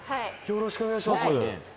よろしくお願いします